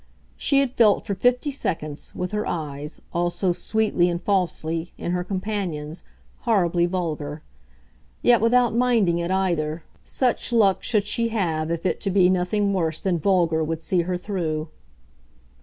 She had felt for fifty seconds, with her eyes, all so sweetly and falsely, in her companion's, horribly vulgar; yet without minding it either such luck should she have if to be nothing worse than vulgar would see her through.